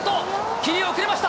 桐生、遅れました。